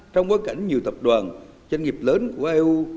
trong bối cảnh nhiều tập đoàn doanh nghiệp lớn của eu